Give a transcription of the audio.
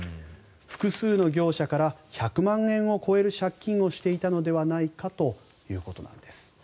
複数の業者から１００万円を超える借金をしていたのではないかということなんです。